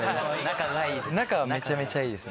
仲はめちゃめちゃいいですね。